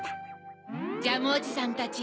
ジャムおじさんたち